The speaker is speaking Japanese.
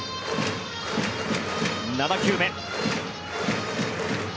７球目。